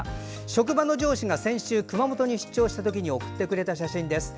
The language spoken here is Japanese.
職場の上司が先週熊本に出張した時に送ってくれた写真です。